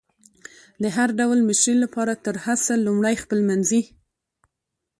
د هر ډول مشري لپاره تر هر څه لمړی خپلمنځي